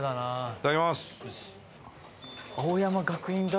いただきます。